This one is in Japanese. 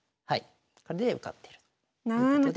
これで受かってると。